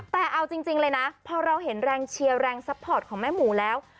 แต่เอาจริงเลยนะพอเราเห็นแรงเชียร์แรงซัพพอร์ตของแม่หมูแล้ว